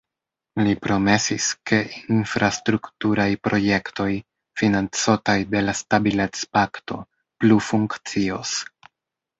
Li promesis, ke infrastrukturaj projektoj, financotaj de la Stabilecpakto, plu funkcios.